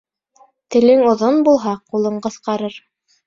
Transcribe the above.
Телең оҙон булһа, ҡулың ҡыҫҡарыр.